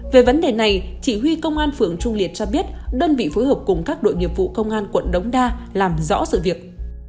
về vấn đề này chỉ huy công an phường trung liệt cho biết đơn vị phối hợp cùng các đội nghiệp vụ công an quận đống đa làm rõ sự việc